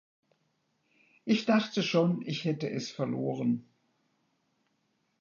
Ich dachte schon, ich hätte es verloren.